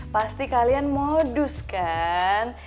pasti kalian modus kan